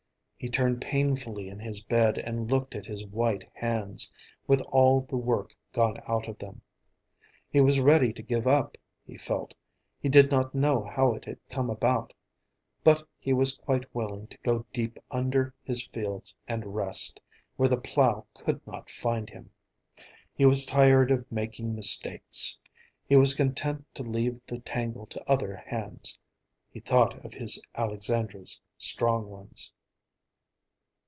He turned painfully in his bed and looked at his white hands, with all the work gone out of them. He was ready to give up, he felt. He did not know how it had come about, but he was quite willing to go deep under his fields and rest, where the plow could not find him. He was tired of making mistakes. He was content to leave the tangle to other hands; he thought of his Alexandra's strong ones.